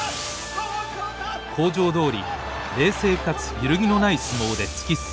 口上どおり冷静かつ揺るぎのない相撲で突き進む。